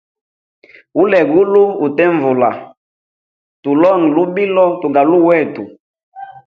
Ulwegulu utenvula tulonge lubilo tugaluwe wetu.